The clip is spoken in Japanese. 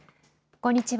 こんにちは。